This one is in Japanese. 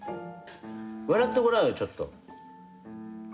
笑ってごらんよちょっと。